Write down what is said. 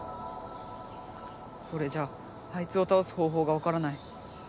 これじゃあいつをたおす方法がわからない。